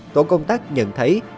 tổ công tác nhận thấy